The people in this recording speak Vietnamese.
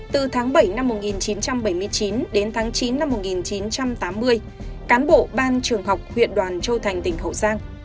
từ tháng bảy năm một nghìn chín trăm bảy mươi chín đến tháng chín năm một nghìn chín trăm tám mươi cán bộ ban trường học huyện đoàn châu thành tỉnh hậu giang